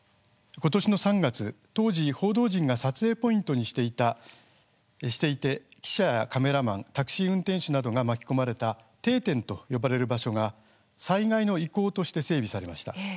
ことし３月、当時報道陣が撮影ポイントにしていて記者、カメラマンやタクシー運転手などが巻き込まれた定点と呼ばれる場所が災害の遺構として整備されました。